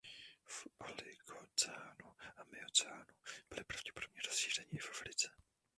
V oligocénu a miocénu byli pravděpodobně rozšířeni i v Africe.